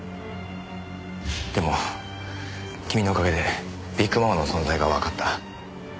でも君のおかげでビッグママの存在がわかった。